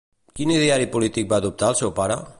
Quin ideari polític va adoptar el seu pare?